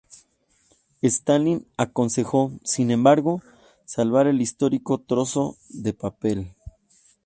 Stalin aconsejó, sin embargo, salvar el histórico trozo de papel.